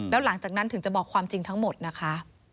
แล้วหลังจากนั้นถึงจะบอกความจริงทั้งหมดนะคะ